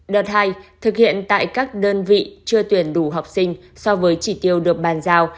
đợt hai thực hiện tại các đơn vị chưa tuyển đủ học sinh so với chỉ tiêu được bàn giao